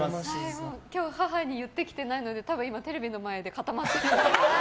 今日、母に言ってきてないので今、テレビの前で固まってるかもしれない。